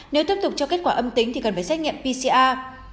nếu tiếp tục cho kết quả âm tính thì cần phải xét nghiệm pcr